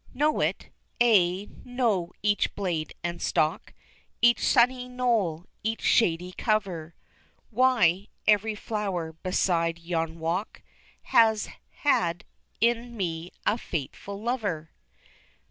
Know it? Ay, know each blade and stalk, Each sunny knoll, each shady cover, Why, every flower beside yon walk Has had in me a faithful lover!